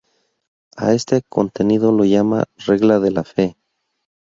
A este contenido lo llama "regla de la fe".